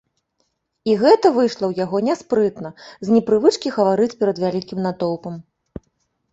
І гэта выйшла ў яго няспрытна з непрывычкі гаварыць перад вялікім натоўпам.